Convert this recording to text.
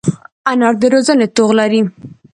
انا د روزنې توغ لري